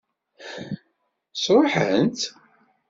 Sṛuḥent-t?